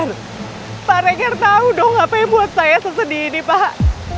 pak regar pak regar tau dong apa yang buat saya sesedih ini pak